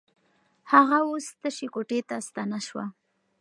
هغه اوس تشې کوټې ته ستنه شوه.